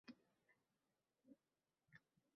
Xatni boshini topish uchun saralay boshladim.